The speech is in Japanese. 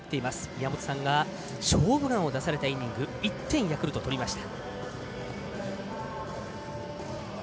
宮本さんが「勝負眼」を出されたイニングヤクルトが１点を取りました。